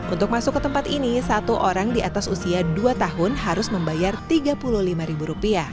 untuk masuk ke tempat ini satu orang di atas usia dua tahun harus membayar rp tiga puluh lima